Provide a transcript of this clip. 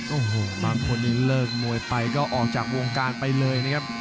โอ้โหบางคนนี้เลิกมวยไปก็ออกจากวงการไปเลยนะครับ